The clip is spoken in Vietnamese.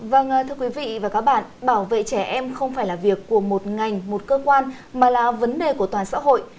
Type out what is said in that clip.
vâng thưa quý vị và các bạn bảo vệ trẻ em không phải là việc của một ngành một cơ quan mà là vấn đề của toàn xã hội